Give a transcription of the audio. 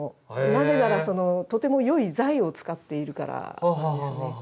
なぜならとてもよい材を使っているからですね。